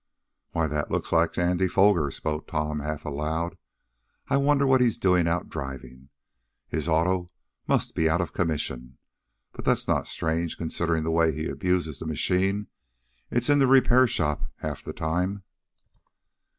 "Why, that looks like Andy Foger," spoke Tom, half aloud. "I wonder what he's doing out driving? His auto must be out of commission. But that's not strange, considering the way he abuses the machine. It's in the repair shop half the time."